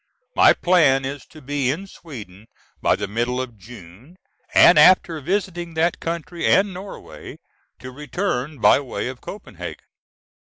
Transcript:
My plan is to be in Sweden by the middle of June, and after visiting that country and Norway, to return by way of Copenhagen.